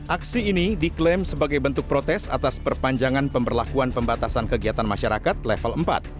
aksi ini diklaim sebagai bentuk protes atas perpanjangan pemberlakuan pembatasan kegiatan masyarakat level empat